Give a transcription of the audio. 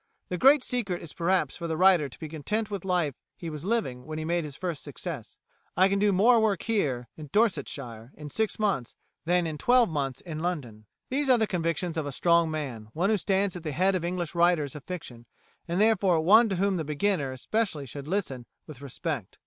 The great secret is perhaps for the writer to be content with the life he was living when he made his first success. I can do more work here [in Dorsetshire] in six months than in twelve months in London."[148:A] These are the convictions of a strong man, one who stands at the head of English writers of fiction, and therefore one to whom the beginner especially should listen with respect.